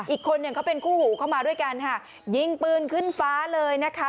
อีกคนหนึ่งเขาเป็นคู่หูเข้ามาด้วยกันค่ะยิงปืนขึ้นฟ้าเลยนะคะ